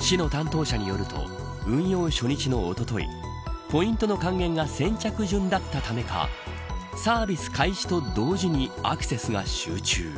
市の担当者によると運用初日のおとといポイントの還元が先着順だったためかサービス開始と同時にアクセスが集中。